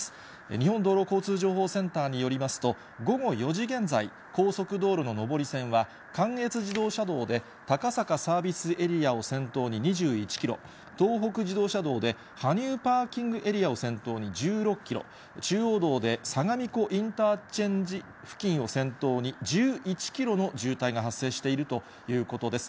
日本道路交通情報センターによりますと、午後４時現在、高速道路の上り線は、関越自動車道で高坂サービスエリアを先頭に２１キロ、東北自動車道で羽生パーキングエリアを先頭に１６キロ、中央道で相模湖インターチェンジ付近を先頭に１１キロの渋滞が発生しているということです。